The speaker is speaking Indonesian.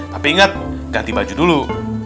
tapi ingat ganti baju dulu